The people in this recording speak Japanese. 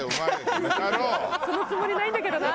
「そのつもりないんだけどな」